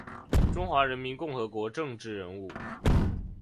中华人民共和国政治人物。